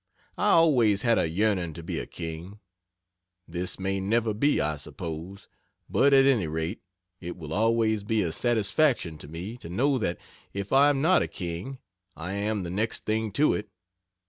I always had a yearning to be a king. This may never be, I suppose, but, at any rate, it will always be a satisfaction to me to know that, if I am not a king, I am the next thing to it.